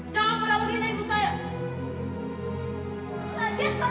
jangan pernah minta ibu saya